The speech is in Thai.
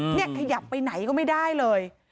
นี่ขยับไปไหนก็ไม่ได้เลย